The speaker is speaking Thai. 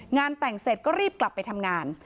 งานแต่งเสร็จก็รีบกลับไปทำงาน